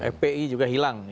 fpi juga hilang